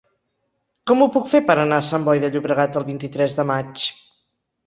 Com ho puc fer per anar a Sant Boi de Llobregat el vint-i-tres de maig?